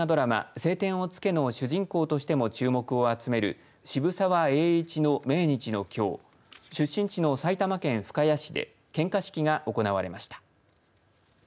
青天を衝けの主人公としても注目を集める渋沢栄一の命日のきょう出身地の埼玉県深谷市で献花式が行われました。